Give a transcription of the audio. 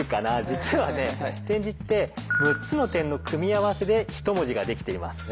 実はね点字って６つの点の組み合わせで一文字ができています。